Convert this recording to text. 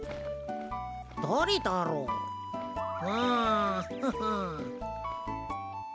だれだろう？んフフン。